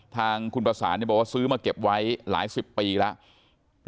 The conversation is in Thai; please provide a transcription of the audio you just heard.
ทางคุณประสานบอกว่าซื้อมาเก็บไว้หลายสิบปีแล้ว